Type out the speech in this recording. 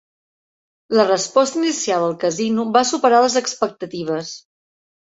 La resposta inicial al casino va superar les expectatives.